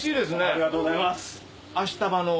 ありがとうございます！